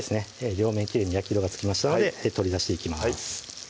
両面きれいに焼き色がつきましたので取り出していきます